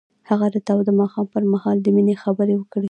هغه د تاوده ماښام پر مهال د مینې خبرې وکړې.